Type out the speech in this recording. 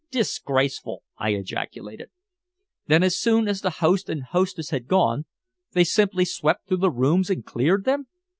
"Disgraceful!" I ejaculated. "Then as soon as the host and hostess had gone, they simply swept through the rooms and cleared them?"